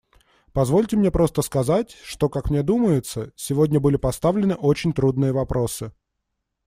Позвольте мне просто сказать, что, как мне думается, сегодня были поставлены очень трудные вопросы.